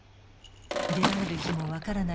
出られる日も分からない